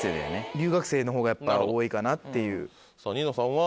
留学生の方がやっぱ多いかなっていう。